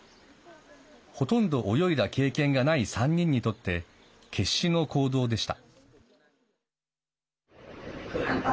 ほとんど泳いだ経験がない３人にとって決死の行動でした。